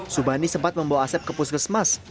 subandi sempat membawa asep ke puskesmas